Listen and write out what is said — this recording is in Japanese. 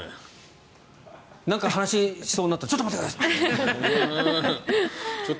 なんか話しそうになったらちょっと待ってくださいと。